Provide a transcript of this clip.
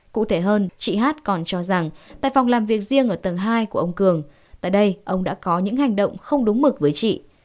cụ thể hơn chị hát còn cho rằng tại phòng làm việc riêng ở tầng hai của ông cường tại đây ông đã có những hành động không đúng mực với chị